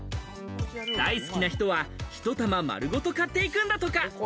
大好きな人はひと玉丸ごと買っていくんだとか。